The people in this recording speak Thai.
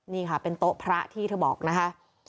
นี่ค่ะเป็นโต๊ะพระที่เธอบอกนะคะ